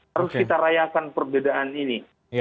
harus kita rayakan perbedaan ini